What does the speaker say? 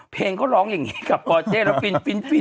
เพลงเขาร้องอย่างนี้กับปอเจ๊แล้วฟินฟิน